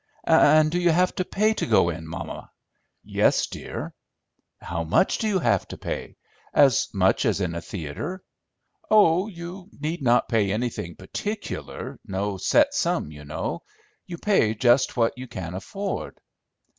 "And do you have to pay to go in, mamma?" "Yes, dear." "How much do you have to pay? As much as at a theatre?" "Oh, you need not pay anything particular—no set sum, you know. You pay just what you can afford."